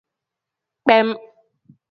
Kpem.